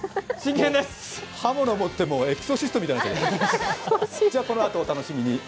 刃物持って、エクソシストみたいになっちゃって。